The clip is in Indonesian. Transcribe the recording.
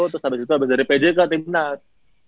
terus habis itu habis dari pj ke timnas